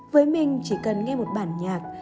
với mình chỉ cần nghe một bản nhạc